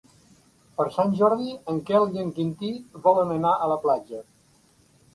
Per Sant Jordi en Quel i en Quintí volen anar a la platja.